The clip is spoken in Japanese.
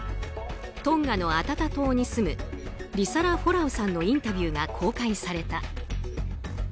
トンガのアタタ島に住むリサラ・フォラウさんのインタビューが公開された。